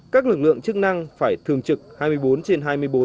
các lực lượng chức năng phải thường trực hai mươi bốn trên hai mươi bốn